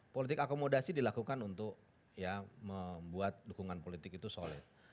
politik akomodasi dilakukan untuk membuat dukungan politik itu solid